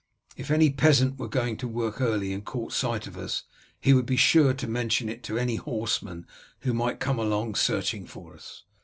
If any peasant were going to work early and caught sight of us he would be sure to mention it to any horseman who might come along searching for us.